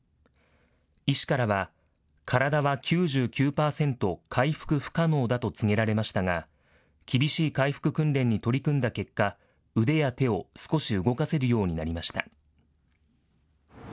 医師からは体は９９％回復不可能だと告げられましたが、厳しい回復訓練に取り組んだ結果、腕や手を少し動かせるようになりました。